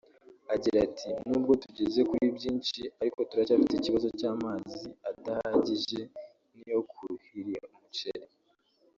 Agira ati “N’ubwo tugeze kuri byinshi ariko turacyafite ikibazo cy’amazi adahagijeni yo kuhira umuceri